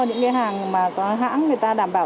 những cái hàng mà có hãng người ta đảm bảo